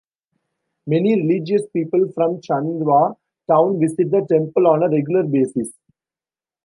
Many religious people from Chandwa town visit the temple on a regular basis.